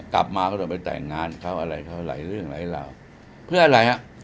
กลับมาก็ต้องไปแต่งงานเขาอะไรเขาหลายเรื่องหลายราวเพื่ออะไรฮะ